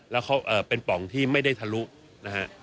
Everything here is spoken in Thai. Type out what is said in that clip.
แล้วเขาเป็นป่องที่ไม่ได้ทะลุนะฮะ